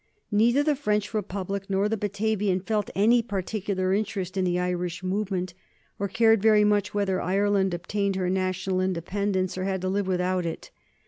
Neither the French Republic nor the Batavian felt any particular interest in the Irish movement, or cared very much whether Ireland obtained her national independence or had to live without it.